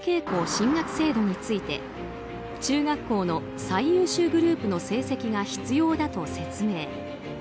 校進学制度について中学校の最優秀グループの成績が必要だと説明。